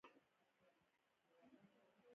دړه او بنه د بشري ټولنې اصطلاحات دي